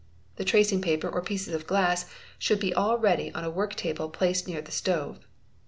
The tracing paper or pieces of glass should be all ready on a work table placed near he stove.